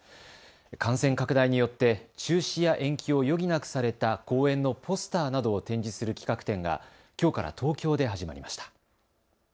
感染拡大によって中止や延期を余儀なくされた公演のポスターなどを展示する企画展がきょうから東京で始まりました。